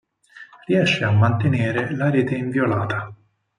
Riesce a mantenere la rete inviolata.